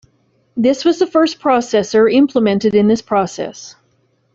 This was the first processor implemented in this process.